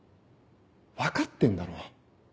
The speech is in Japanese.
分かってんだろ？